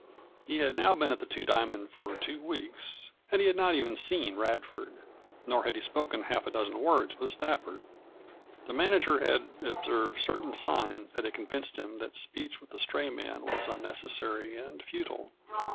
He had now been at the Two Diamond for two weeks and he had not even seen Radford. Nor had he spoken half a dozen words with Stafford. The manager had observed certain signs that had convinced him that speech with the stray man was unnecessary and futile.